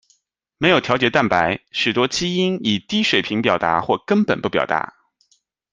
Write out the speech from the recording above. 没有调节蛋白，许多基因以低水平表达或根本不表达。